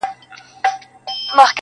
• په نغمه کي به شرنګېږم لکه ومه -